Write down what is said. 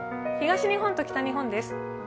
東日本と北日本です。